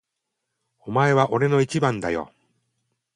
お前は俺の一番だよ。